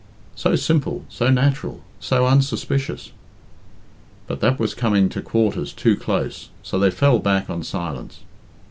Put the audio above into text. "So simple, so natural, so unsuspicious " But that was coming to quarters too close, so they fell back on silence.